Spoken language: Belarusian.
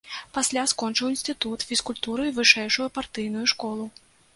Пасля скончыў інстытут фізкультуры і вышэйшую партыйную школу.